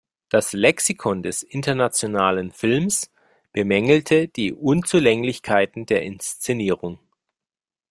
Das "Lexikon des internationalen Films" bemängelte die „Unzulänglichkeiten der Inszenierung“.